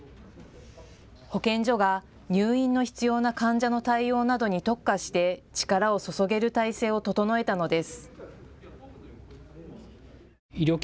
保健所が入院の必要な患者の対応などに特化して力を注げる体制を整えたのです。